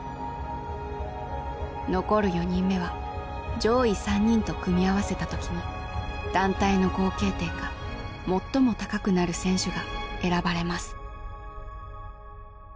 残る４人目は上位３人と組み合わせた時に団体の合計点が最も高くなる選手が選ばれます。